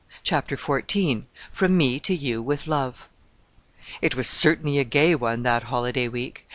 CHAPTER XIV FROM ME TO YOU WITH LOVE It was certainly a gay one—that holiday week.